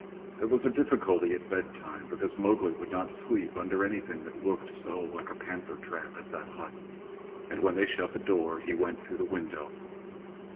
There was a difficulty at bedtime, because Mowgli would not sleep under anything that looked so like a panther trap as that hut, and when they shut the door he went through the window.